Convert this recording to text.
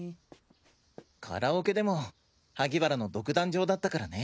カラオケでも萩原の独壇場だったからね。